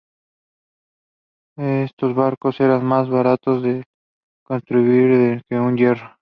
Estos barcos eran más baratos de construir que uno de hierro.